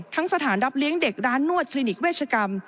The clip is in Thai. สถานรับเลี้ยงเด็กร้านนวดคลินิกเวชกรรม